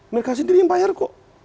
mereka sendiri yang bayar kok